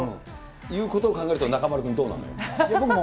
いうことを考えると、中丸君、どう思う？